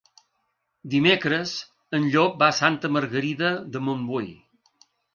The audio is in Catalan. Dimecres en Llop va a Santa Margarida de Montbui.